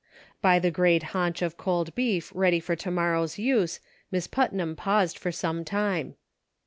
By the great haunch of cold beef ready for to morrow's use, Miss Putnam paused for some time.